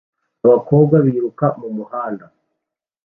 abakobwa biruka mumuhanda